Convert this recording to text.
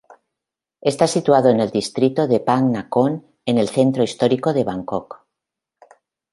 Está situado en el distrito de Phra Nakhon, el centro histórico de Bangkok.